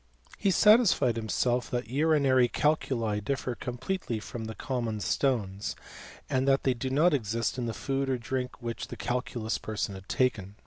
He satisfied himself that urinary calculi differ completely from common stones, and that they do not exist in the food or drink which the calculous person had taken.